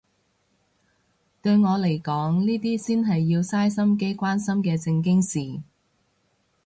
對我嚟講呢啲先係要嘥心機關心嘅正經事